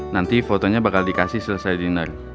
nanti fotonya bakal dikasih selesai dinner